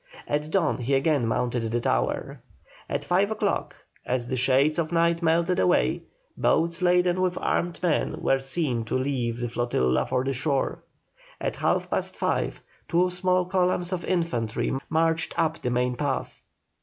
At dawn he again mounted the tower. At five o'clock, as the shades of night melted away, boats laden with armed men, were seen to leave the flotilla for the shore. At half past five, two small columns of infantry marched up the main path.